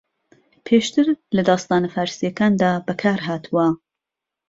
پێشتر لە داستانە فارسییەکاندا بەکارھاتوە